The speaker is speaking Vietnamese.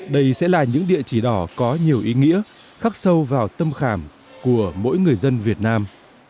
đây sẽ là những địa chỉ đỏ có nhiều ý nghĩa khắc sâu vào tâm khảm của mỗi người dân việt nam